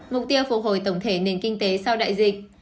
mục tiêu phục hồi tổng thể nền kinh tế sau đại dịch